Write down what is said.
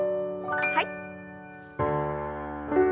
はい。